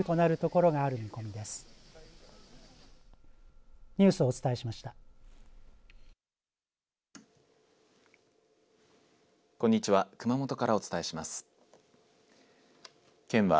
こんにちは。